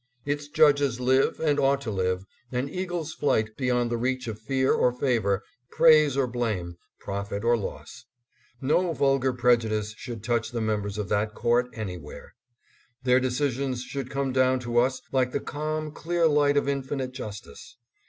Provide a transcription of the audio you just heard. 659 Its judges live, and ought to live, an eagle's flight beyond the reach of fear or favor, praise or blame, profit or loss. No vulgar prejudice should touch the members of that court anywhere. Their decisions should come down to us like the calm, clear light of infinite justice.